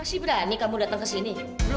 gak apa apa sih ibu